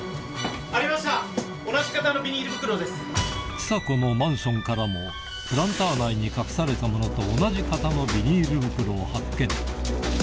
千佐子のマンションからもプランター内に隠されたものと同じ型のビニール袋を発見